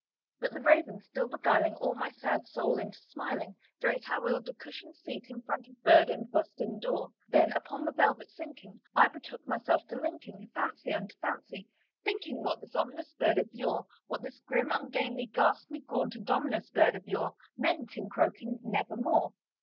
'" But the Raven still beguiling all my fancy into smiling, Straight I wheeled a cushioned seat in front of bird and bust and door; Then, upon the velvet sinking, I betook myself to linking Fancy unto fancy, thinking what this ominous bird of yore What this grim, ungainly, ghastly, gaunt, and ominous bird of yore Meant in croaking "Nevermore."